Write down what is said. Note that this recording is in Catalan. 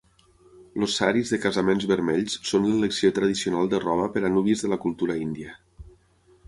Els saris de casaments vermells són l'elecció tradicional de roba per a núvies de la cultura índia.